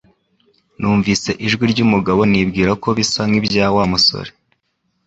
Numvise ijwi ryumugabo nibwira ko bisa nkibya Wa musore